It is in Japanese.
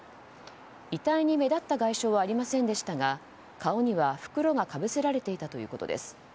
遺体に目立った外傷はありませんでしたが顔には袋がかぶせられていたということです。